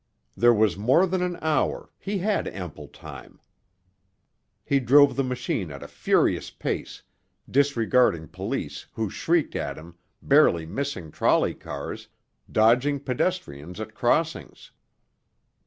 There was more than an hour—he had ample time. He drove the machine at a furious pace, disregarding police, who shrieked at him, barely missing trolley cars, dodging pedestrians at crossings.